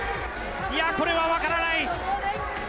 いやー、これは分からない。